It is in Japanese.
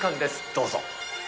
どうぞ。